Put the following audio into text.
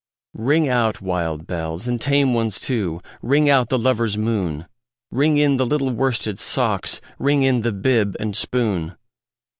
Ring out, wild bells, and tame ones too! Ring out the lover's moon! Ring in the little worsted socks! Ring in the bib and spoon!